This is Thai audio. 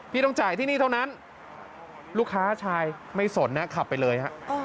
ต้องจ่ายที่นี่เท่านั้นลูกค้าชายไม่สนนะขับไปเลยฮะ